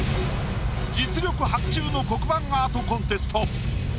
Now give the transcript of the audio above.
実力伯仲の黒板アートコンテスト。